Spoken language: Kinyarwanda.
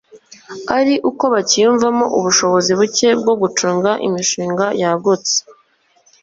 ari uko bacyiyumvamo ubushobozi buke bwo gucunga imishinga yagutse